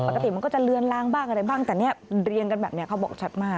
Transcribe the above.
มันก็จะเลือนล้างบ้างอะไรบ้างแต่เนี่ยเรียงกันแบบนี้เขาบอกชัดมาก